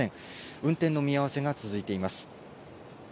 運転の見合わせが続いています。